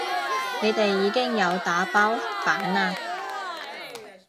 你哋已經有打包版啦